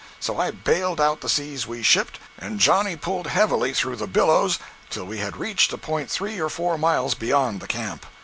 So I baled out the seas we shipped, and Johnny pulled heavily through the billows till we had reached a point three or four miles beyond the camp.